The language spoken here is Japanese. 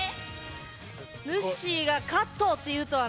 ぬっしーが「カット！」って言うとはな。